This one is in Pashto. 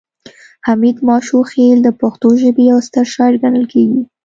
حمید ماشوخیل د پښتو ژبې یو ستر شاعر ګڼل کیږي